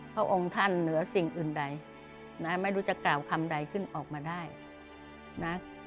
พระองค์ท่านเหนือสิ่งอื่นใดนะไม่รู้จะกล่าวคำใดขึ้นออกมาได้นะ